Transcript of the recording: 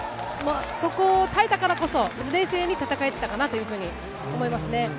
そこを耐えたからこそ、冷静に戦えてたかなというふうに思いますね。